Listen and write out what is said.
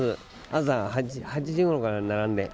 朝８時ごろから並んで。